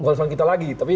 bukan urusan kita lagi